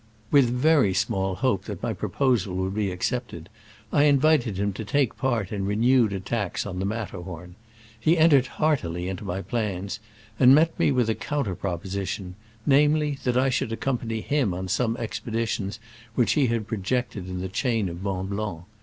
With very small hope that my proposal would be accepted, I invited him to take part in renewed attacks on the Matterhorn. He entered heartily into my plans, and met me with a coun ter proposition — namely, that I should accompany him on some expeditions which he had projected in the chain of Mont Blanc.